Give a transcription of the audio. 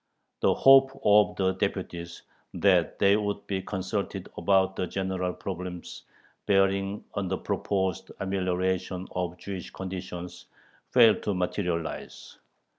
The hope of the deputies, that they would be consulted about the general problems bearing on the proposed amelioration of Jewish conditions, failed to materialize.